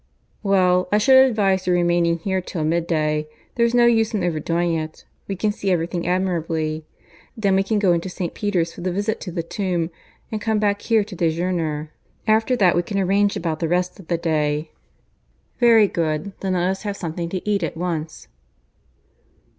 "Well, I should advise your remaining here till mid day. There's no use in overdoing it. We can see everything admirably. Then we can go into St. Peter's for the visit to the tomb, and come back here to dejeuner. After that we can arrange about the rest of the day." "Very good. Then let us have something to eat at once."